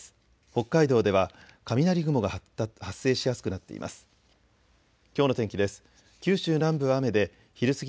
北海道では雷雲が発生しやすくなっています。